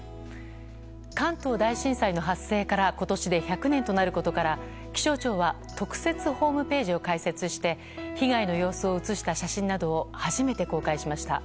関東大震災の発生から今年で１００年となることから気象庁は特設ホームページを開設して被害の様子を写した写真などを初めて公開しました。